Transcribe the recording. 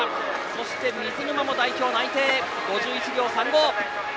そして水沼も代表内定５１秒３５。